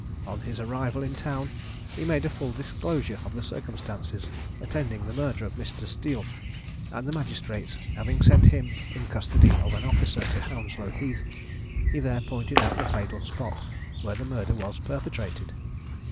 On his arrival in town, he made a full disclosure of the circumstances attending the murder of Mr. Steele, and the magistrates having sent him, in custody of an officer, to Hounslow Heath, he there pointed out the fatal spot where the murder was perpetrated.